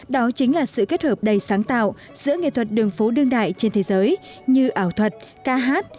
đó chính là sự kết hợp đầy sáng tạo giữa nghệ thuật đường phố đương đại trên thế giới như ảo thuật ca hát